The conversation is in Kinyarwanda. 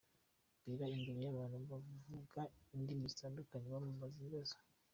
Bella imbere y'abantu bavuga indimi zitandukanye bamubaza ibibazo.